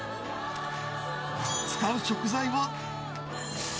使う食材は。